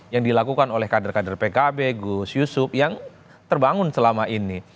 yang dilakukan oleh kader kader pkb gus yusuf yang terbangun selama ini